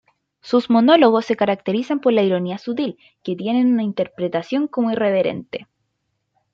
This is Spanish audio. Sus monólogos se caracterizan por la ironía sutil, que tienen una interpretación como irreverente.